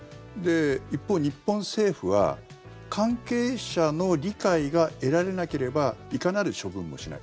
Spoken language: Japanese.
一方、日本政府は関係者の理解が得られなければいかなる処分もしない。